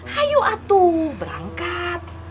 hayu atu berangkat